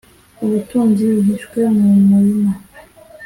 ubutunzi buhishwe mu murima